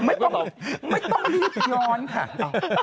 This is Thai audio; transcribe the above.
ไม่ต้องรีบย้อนค่ะ